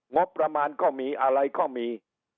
งบประมาณก็มีอะไรก็มี